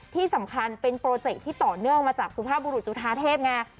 ที่สำคัญเป็นโปรเจคที่ต่อเนื่องมาจากสุภาพบุรุษจุธาเทพไง